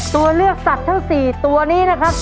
ตัวเลือกสัตว์ทั้ง๔ตัวนี้นะครับ